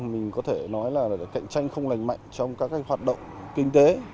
mình có thể nói là cạnh tranh không lành mạnh trong các hoạt động kinh tế